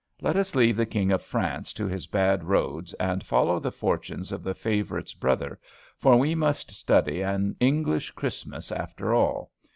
Let us leave the King of France to his bad roads, and follow the fortunes of the favorite's brother, for we must study an English Christmas after all.